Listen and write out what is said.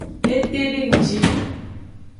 Etedengji.